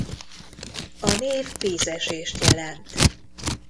A név vízesést jelent.